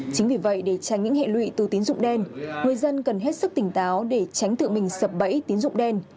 chính vì vậy để tránh những hệ lụy từ tín dụng đen người dân cần hết sức tỉnh táo để tránh tự mình sập bẫy tín dụng đen